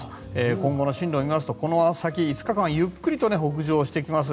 今後の進路を見ますとこの先５日間はゆっくりと北上してきます。